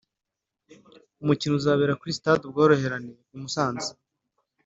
umukino uzabera kuri Stade Ubworoherane i Musanze